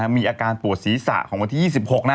มีอาการปวดศีรษะของวันที่๒๖นะ